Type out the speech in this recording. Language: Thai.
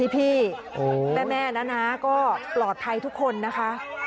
แม่นะก็ปลอดภัยทุกคนนะคะ